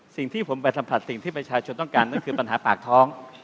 สิ่งที่ผมไปสัมผัสสิ่งที่ประชาชนต้องการนั่นคือปัญหาปากท้อง